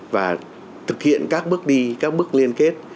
và thực hiện các bước đi các bước liên kết